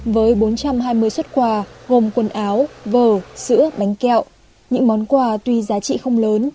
với bốn trăm hai mươi xuất quà gồm quần áo vờ sữa bánh kẹo những món quà tuy giá trị không lớn